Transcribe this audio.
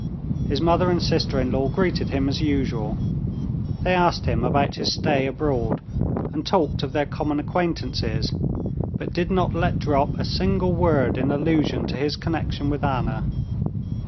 His mother and sister in law greeted him as usual: they asked him about his stay abroad, and talked of their common acquaintances, but did not let drop a single word in allusion to his connection with Anna.